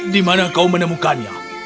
di mana kau menemukannya